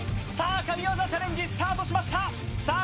神業チャレンジスタートしましたさあ